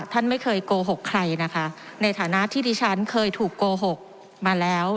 ท่านไม่เคยโกหกใครนะคะในฐานะที่ดิฉันเคยถูกโกหกมาแล้ว